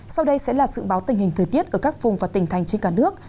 sau đây sẽ là dự báo tình hình thời tiết ở các vùng và tỉnh thành trên cả nước